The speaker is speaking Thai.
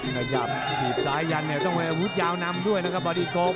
ขยับสายยันต้องมีอาวุธยาวนำด้วยนะครับบอดิโก๊ต